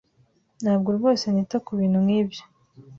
Ntabwo rwose nita kubintu nkibyo.